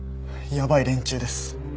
やばい連中です。